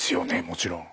もちろん。